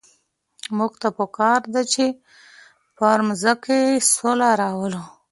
موږ ته په کار ده چي پر مځکي سوله راولو.